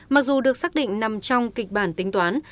mặc dù được xác định nằm trong kịch bản tính toán